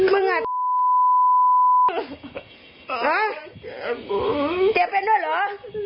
มึงอ่ะแกเป็นด้วยเหรอ